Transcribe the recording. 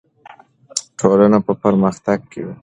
ټولنه به پرمختګ کوي.